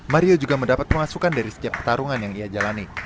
mario juga mendapat pemasukan dari setiap pertarungan yang ia jalani